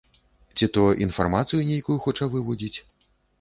Ці то інфармацыю нейкую хоча вывудзіць?